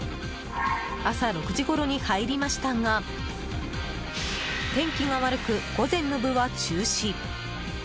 朝６時ごろに入りましたが天気が悪く、午前の部は中止。